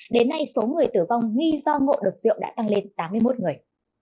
đến nay số người tử vong nghi do ngộ độc rượu đã tăng lên tám mươi một người